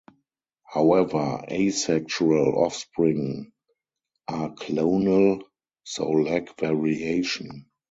However, asexual offspring are clonal, so lack variation.